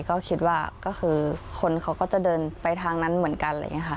ก็คิดว่าคนเขาก็จะเดินไปทางนั้นเหมือนกัน